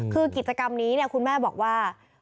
คือกิจกรรมนี้คุณแม่บอกว่า